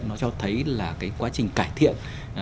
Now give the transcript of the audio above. nó cho thấy là cái quá trình cải thiện